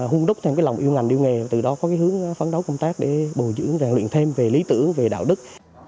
hung đúc thêm lòng yêu ngành yêu nghề từ đó có hướng phấn đấu công tác để bồi dưỡng ràng luyện thêm về lý tưởng về đạo đức